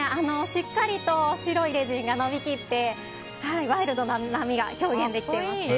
しっかりと白いレジンが延びきってワイルドな波が表現できてますね。